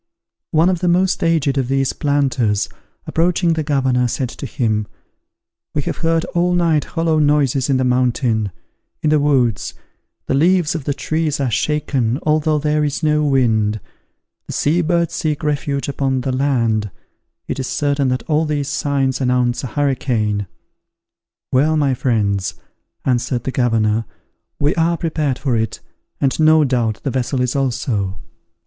One of the most aged of these planters, approaching the governor, said to him, "We have heard all night hollow noises in the mountain; in the woods, the leaves of the trees are shaken, although there is no wind; the sea birds seek refuge upon the land: it is certain that all these signs announce a hurricane." "Well, my friends," answered the governor, "we are prepared for it, and no doubt the vessel is also."